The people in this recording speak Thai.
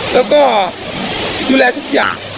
แล้วก็ดูแลทุกอย่าง